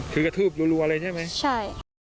คือกระทืบรัวเลยใช่ไหมใช่